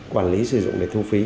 quản lý sử dụng